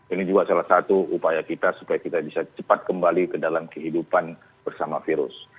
ini juga salah satu upaya kita supaya kita bisa cepat kembali ke dalam kehidupan bersama virus